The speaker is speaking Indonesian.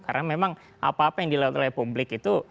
karena memang apa apa yang dilakukan oleh publik itu